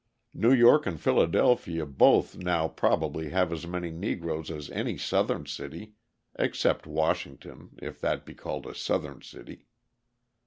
New York and Philadelphia both now probably have as many Negroes as any Southern city (except Washington, if that be called a Southern city).